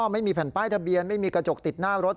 ไม่มีแผ่นป้ายทะเบียนไม่มีกระจกติดหน้ารถ